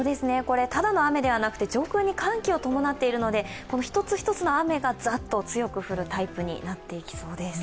ただの雨ではなくて上空に寒気を伴っているので一つ一つの雨がざっと強く降るタイプになってきそうです。